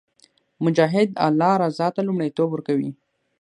مجاهد د الله رضا ته لومړیتوب ورکوي.